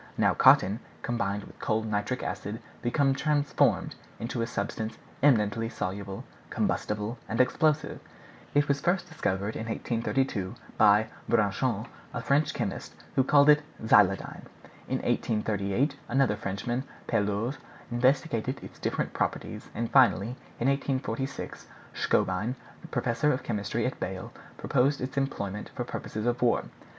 Now cotton, combined with cold nitric acid, become transformed into a substance eminently insoluble, combustible, and explosive. It was first discovered in 1832, by Braconnot, a French chemist, who called it xyloidine. In 1838 another Frenchman, Pelouze, investigated its different properties, and finally, in 1846, Schonbein, professor of chemistry at Bale, proposed its employment for purposes of war.